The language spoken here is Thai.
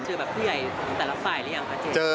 เจอแบบเพื่อนใหญ่ของแต่ละฝ่ายหรือยังครับเจน